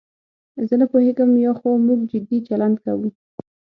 زه نه پوهېږم یا خو موږ جدي چلند کوو.